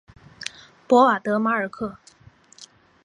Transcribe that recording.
博瓦德马尔克。